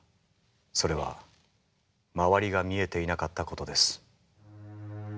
それは周りが見えていなかったことです。